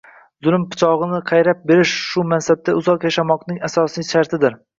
zulm pichog’ini qayrab berish, shu mansabda uzoq yashamoqning asosiy shartidir.